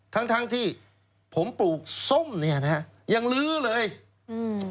ทั้งทั้งที่ผมปลูกส้มเนี้ยนะฮะยังลื้อเลยอืม